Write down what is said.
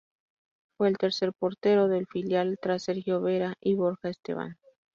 Fue el tercer portero del filial tras Sergio Vera y Borja Esteban.